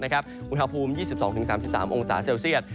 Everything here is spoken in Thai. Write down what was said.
อุณหภูมิ๒๒๓๓องศาเซลเซียต